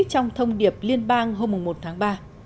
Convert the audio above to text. trong thông điệp liên bang hôm một tháng ba